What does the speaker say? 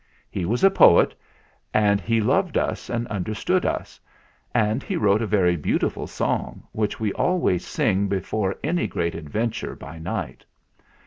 He was a poet; and he loved us and understood us; and he wrote a very beautiful song which we always sing be fore any great adventure by night.